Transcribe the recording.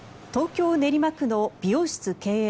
東京・練馬区の美容室経営